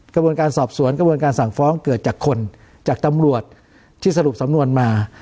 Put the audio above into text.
กระบวนการสอบสวนกระบวนการสั่งฟ้องเกิดจากคนจากตำรวจที่สรุปสำนวนมา